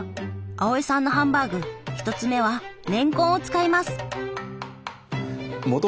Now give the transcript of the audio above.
青江さんのハンバーグ一つ目はれんこんを使います。